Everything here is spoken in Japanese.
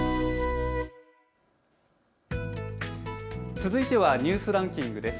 続いてはニュースランキングです。